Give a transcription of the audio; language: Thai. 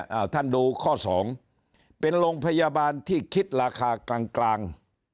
เอาท่านดูข้อสองเป็นโรงพยาบาลที่คิดราคากลางกลาง